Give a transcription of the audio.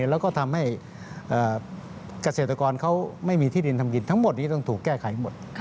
แล้วก็ทำให้เกษตรกรเขาไม่มีที่ดินทำกินทั้งหมดนี้ต้องถูกแก้ไขให้หมด